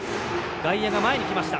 外野が前に来ました。